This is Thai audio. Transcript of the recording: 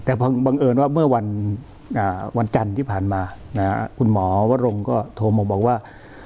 แต่บังเอิญว่าเมื่อวันจันทร์ที่ผ่านมาคุณหมอวรงก็โทรมาบอกว่า